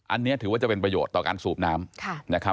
อันนี้ถือว่าจะเป็นประโยชน์ต่อการสูบน้ำนะครับ